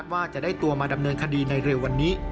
ว่าจะได้ตัวมาดำเนินคดีในเร็ววันนี้